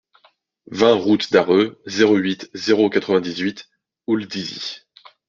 vingt route d'Arreux, zéro huit, zéro quatre-vingt-dix, Houldizy